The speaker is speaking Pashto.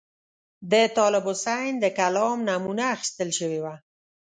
د طالب حسین د کلام نمونه اخیستل شوې وه.